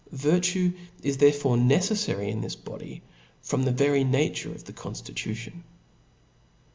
Virtue is therefore neceffary in this body> from the very na ture of the conftitution.